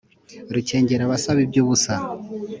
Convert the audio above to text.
Rukengera abasaba iby'ubusa